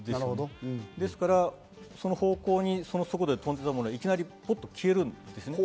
ですから、その方向にその速度で飛んでもいきなり、ふっと消えるわけです。